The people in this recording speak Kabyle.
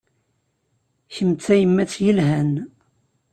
Kemm d tayemmat yelhan.